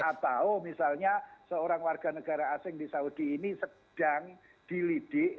atau misalnya seorang warga negara asing di saudi ini sedang dilidik